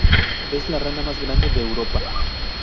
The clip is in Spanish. Es la rana más grande de Europa.